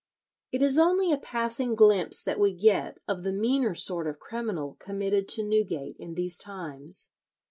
It is only a passing glimpse that we get of the meaner sort of criminal committed to Newgate in these times.